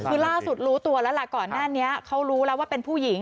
คือล่าสุดรู้ตัวแล้วล่ะก่อนหน้านี้เขารู้แล้วว่าเป็นผู้หญิง